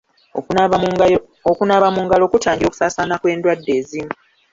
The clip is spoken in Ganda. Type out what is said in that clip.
Okunaaba mu ngalo kutangira okusaasaana kw'endwadde ezimu.